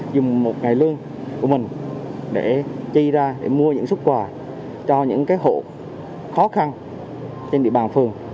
dùng một ngày lương của mình để chi ra để mua những xuất quà cho những hộ khó khăn trên địa bàn phường